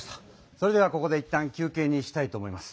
それではここでいったん休けいにしたいと思います。